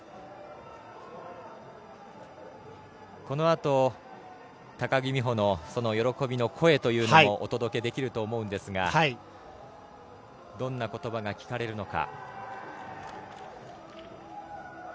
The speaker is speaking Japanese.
このあと、高木美帆の喜びの声というのをお届けできると思うんですがどんな言葉が聞かれるのか。